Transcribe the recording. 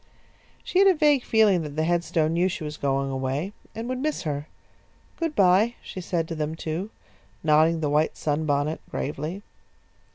_" She had a vague feeling that the headstones knew she was going away and would miss her. "Good bye," she said to them, too, nodding the white sunbonnet gravely.